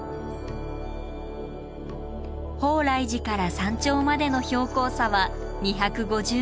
鳳来寺から山頂までの標高差は２５０ｍ。